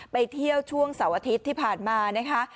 ไปเที่ยวช่วงเสาร์อาทิตย์ที่ผ่านมานะคะ